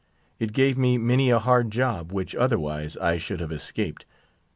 It gave me many a hard job, which otherwise I should have escaped.